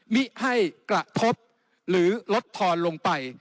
มิให้กระทบหรือลดทอนลงไป